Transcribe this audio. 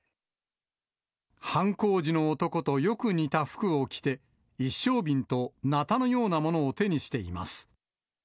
犯行時の男とよく似た服を着て、一升瓶となたのようなものを手にしています。